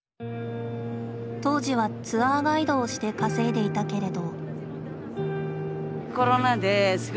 当時はツアーガイドをして稼いでいたけれど。